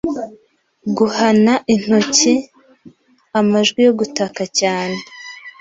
Guhana intoki amajwi yo gutaka cyane